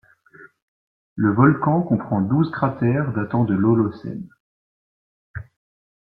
Le volcan comprend douze cratères datant de l'Holocène.